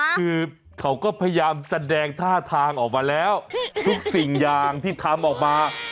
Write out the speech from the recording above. คือเขาก็พยายามแสดงท่าทางออกมาแล้วทุกสิ่งอย่างที่ทำออกมา